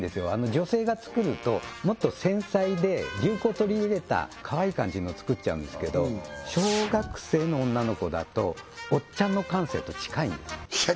女性が作るともっと繊細で流行を取り入れたかわいい感じの作っちゃうんですけど小学生の女の子だとおっちゃんの感性と近いんですいや